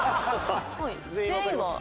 全員は？